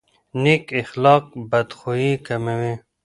نیک اخلاق بدخويي کموي.